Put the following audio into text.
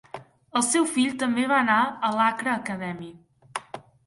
El seu fill també va anar a l'Accra Academy.